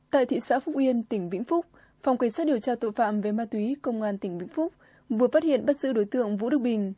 tại thị xã phúc yên tỉnh vĩnh phúc phòng cảnh sát điều tra tội phạm về ma túy công an tỉnh vĩnh phúc vừa phát hiện bắt giữ đối tượng vũ đức bình